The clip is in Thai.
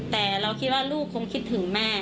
แต่เราคิดว่าลูกคงคิดถึงแม่